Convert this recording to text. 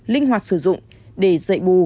linh hoạt sử dụng để dạy bù